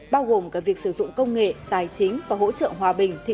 bao gồm cả việc sử dụng công nghệ tài chính và hỗ trợ hòa bình